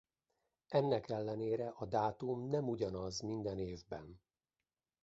Ennek ellenére a dátum nem ugyanaz minden évben.